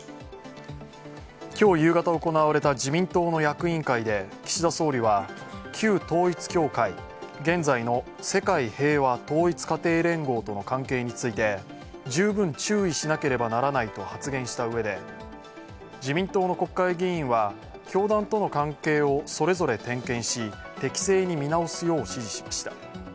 今日夕方行われた自民党の役員会で岸田総理は旧統一教会現在の世界平和統一家庭連合との関係について、十分注意しなければならないと発言したうえで自民党の国会議員は教団との関係をそれぞれ点検し適正に見直すよう指示しました。